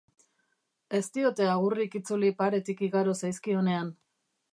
Ez diote agurrik itzuli paretik igaro zaizkionean.